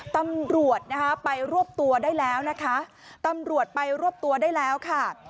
ตำรวจไปรวบตัวได้แล้วนะคะ